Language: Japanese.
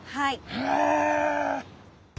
へえ！